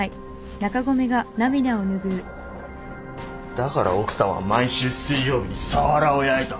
だから奥さんは毎週水曜日にサワラを焼いた。